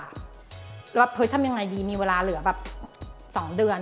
แล้วเฮ้ยทำยังไงดีมีเวลาเหลือแบบ๒เดือน